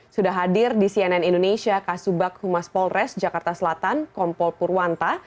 sudah hadir di cnn indonesia kasubag humas polres jakarta selatan kompol purwanta